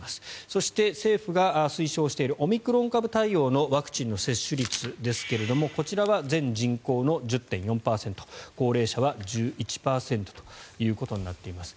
そして、政府が推奨しているオミクロン株対応のワクチンの接種率ですがこちらは全人口の１０．４％高齢者は１１％ということになっています。